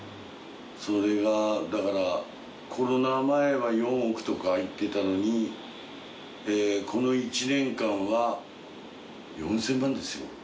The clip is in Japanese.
それがだからコロナ前は４億とかいってたのにこの１年間は４，０００万ですよ。